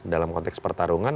dalam konteks pertarungan